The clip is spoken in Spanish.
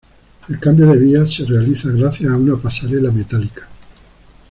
El cambio de vía se realiza gracias a una pasarela metálica.